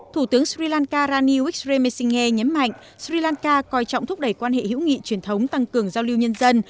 thủ tướng sri lanka rani wixremesinge nhấn mạnh sri lanka coi trọng thúc đẩy quan hệ hữu nghị truyền thống tăng cường giao lưu nhân dân